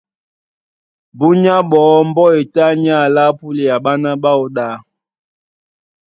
Búnyá ɓɔɔ́ mbɔ́ e tá ní alá púlea ɓána ɓáō ɗá.